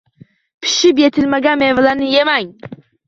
Pishib yetilmagan mevalarni yemang.